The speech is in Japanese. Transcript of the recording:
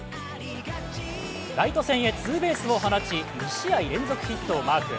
ライト線へツーベースを放ち、２試合連続ヒットをマーク。